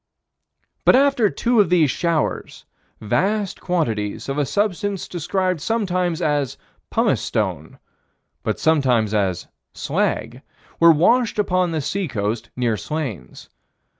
But after two of these showers, vast quantities of a substance described sometimes as "pumice stone," but sometimes as "slag," were washed upon the sea coast near Slains.